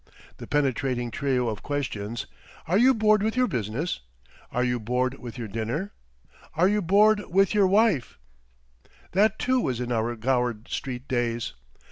The penetrating trio of questions: "Are you bored with your Business? Are you bored with your Dinner. Are you bored with your Wife?"—that, too, was in our Gower Street days.